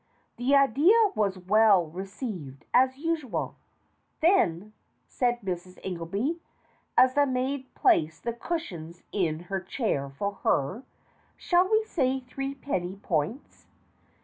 The idea was well received, as usual. "Then," said Mrs. Ingelby, as the maid placed the cushions in her chair for her, "shall we say threepenny points?"